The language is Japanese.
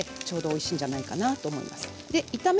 ちょうどおいしいんじゃないかと思います。